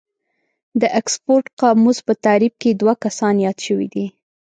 د اکسفورډ قاموس په تعريف کې دوه کسان ياد شوي دي.